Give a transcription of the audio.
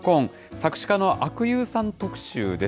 作詞家の阿久悠さん特集です。